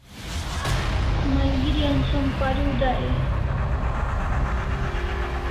Malgeri an som pariu dai e?